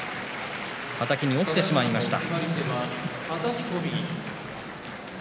はたきに落ちてしまいました。